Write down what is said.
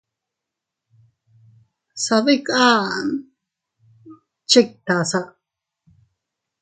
Sadikan chiktasa.